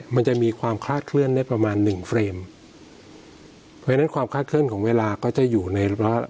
มันจะมีความคลาดเคลื่อนได้ประมาณหนึ่งเฟรมเพราะฉะนั้นความคลาดเคลื่อนของเวลาก็จะอยู่ในร้อยละ